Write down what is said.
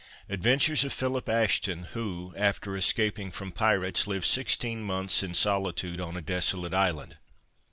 ADVENTURES OF PHILIP ASHTON, WHO, AFTER ESCAPING FROM PIRATES, LIVED SIXTEEN MONTHS IN SOLITUDE ON A DESOLATE ISLAND.